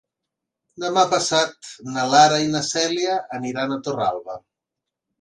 Demà passat na Lara i na Cèlia aniran a Torralba.